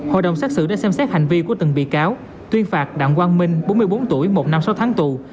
hội đồng xét xử đã xem xét hành vi của từng bị cáo tuyên phạt đặng quang minh bốn mươi bốn tuổi một năm sáu tháng tù